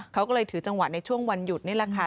เขาก็เลยถือจังหวะในช่วงวันหยุดนี่แหละค่ะ